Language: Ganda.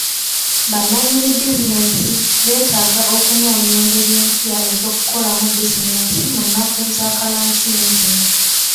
Bannannyini bizinensi beetaaga okunoonya engeri empya ez'okukolamu bizinensi mu nnaku za kalantiini zino.